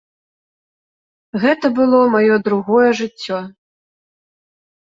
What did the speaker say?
Гэта было маё другое жыццё.